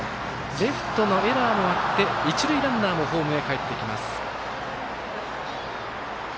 レフトのエラーもあって一塁ランナーもホームへかえってきます。